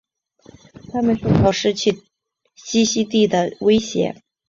它们受到失去栖息地的威胁。